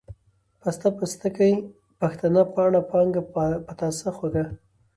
پسته ، پستکۍ ، پښتنه ، پاڼه ، پانگه ، پتاسه، خوږه،